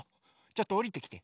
ちょっとおりてきて。